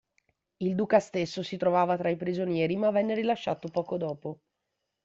Il Duca stesso si trovava tra i prigionieri, ma venne rilasciato poco dopo.